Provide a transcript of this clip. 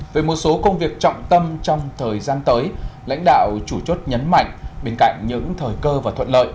về một số công việc trọng tâm trong thời gian tới lãnh đạo chủ chốt nhấn mạnh bên cạnh những thời cơ và thuận lợi